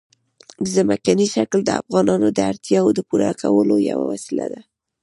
ځمکنی شکل د افغانانو د اړتیاوو د پوره کولو یوه وسیله ده.